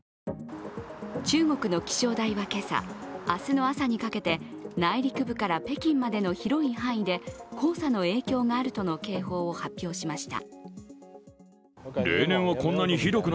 中国の気象台は今朝、明日の朝にかけて内陸部から北京までの広い範囲で黄砂の影響があるとの警報を発表しました。